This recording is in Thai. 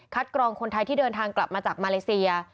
กรองคนไทยที่เดินทางกลับมาจากมาเลเซีย